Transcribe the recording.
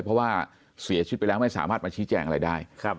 เพราะว่าเสียชีวิตไปแล้วไม่สามารถมาชี้แจงอะไรได้